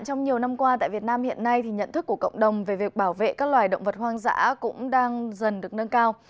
trong nhiều năm qua tại việt nam hiện nay nhận thức của cộng đồng về việc bảo vệ các loài động vật hoang dã cũng đang dần được nâng cao